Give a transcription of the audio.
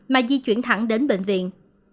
mà di chuyển thẳng đến bệnh viện